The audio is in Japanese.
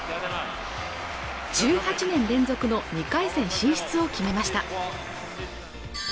１８年連続の２回戦進出を決めました